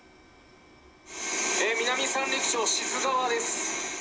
南三陸町志津川です。